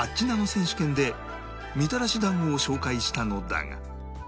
選手権でみたらし団子を紹介したのだが